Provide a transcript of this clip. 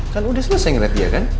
kan udah selesai ngeliat dia kan